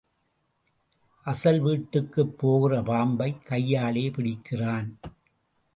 அசல் வீட்டுக்குப் போகிற பாம்பைக் கையாலே பிடிக்கிறான்.